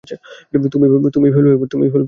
তুমিই ফেলবে এবার।